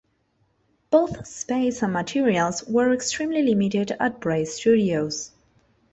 Both space and materials were extremely limited at Bray Studios.